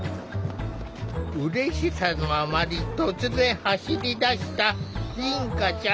うれしさのあまり突然走り出した凛花ちゃん。